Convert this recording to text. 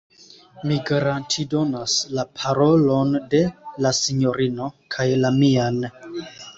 Mi garantidonas la parolon de la sinjorino kaj la mian.